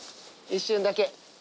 一瞬だけ。